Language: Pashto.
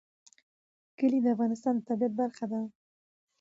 کلي د افغانستان د طبیعت برخه ده.